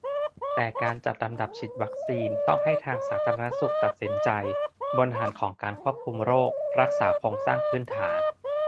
แต่การจัดลำดับฉีดวัคซีนต้องให้ทางสาธารณสุขตัดสินใจ บนฐานของการควบคุมโรค-รักษาโครงสร้างพื้นฐาน